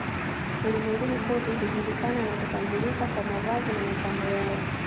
Ulimwenguni kote hujulikana na kutambulika kwa mavazi na mapambo yao